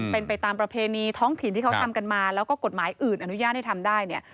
เป็นไปตามประเพณีท้องถิ่นที่เขาทำกันมาแล้วก็กฎหมายอื่นอนุญาตให้ทำได้เนี่ย